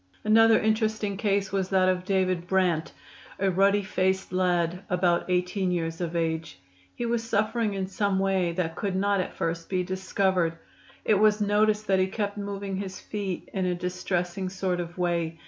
Another interesting case was that of David Brant, a ruddy faced lad about 18 years of age. He was suffering in some way that could not at first be discovered. It was noticed that he kept moving his feet in a distressing sort of way.